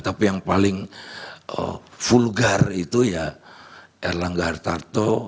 tapi yang paling vulgar itu ya erlangga hartarto